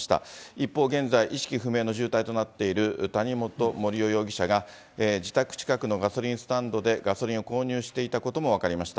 一方、現在、意識不明の重体となっている谷本盛雄容疑者が、自宅近くのガソリンスタンドでガソリンを購入していたことも分かりました。